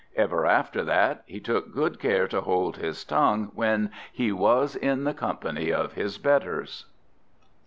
Ever after that he took good care to hold his tongue when he was in the company of his betters.